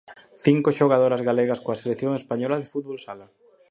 Cinco xogadoras galegas coa selección española de fútbol sala.